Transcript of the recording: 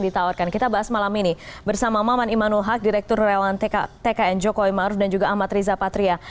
tkn jokowi ma'ruf dan juga ahmad riza patria